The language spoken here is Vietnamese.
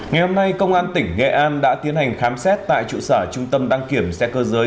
ngày hôm nay công an tỉnh nghệ an đã tiến hành khám xét tại trụ sở trung tâm đăng kiểm xe cơ giới